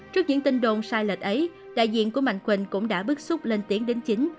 trước những tin đồn sai lệch ấy đại diện của mạnh quỳnh cũng đã bức xúc lên tiếng đến chính